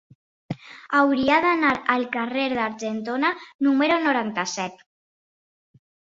Hauria d'anar al carrer d'Argentona número noranta-set.